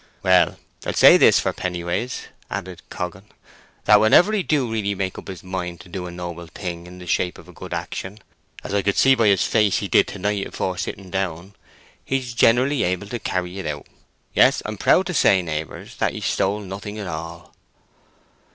"Well, I'll say this for Pennyways," added Coggan, "that whenever he do really make up his mind to do a noble thing in the shape of a good action, as I could see by his face he did to night afore sitting down, he's generally able to carry it out. Yes, I'm proud to say, neighbours, that he's stole nothing at all."